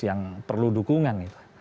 yang perlu dukungan